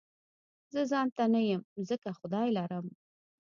زه ځانته نه يم ځکه خدای لرم